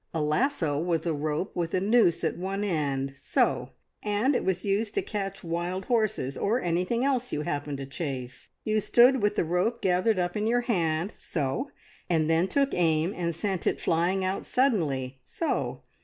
A lasso was a rope with a noose at one end so! and it was used to catch wild horses, or anything else you happened to chase. You stood with the rope gathered up in your hand so! and then took aim and sent it flying out suddenly so!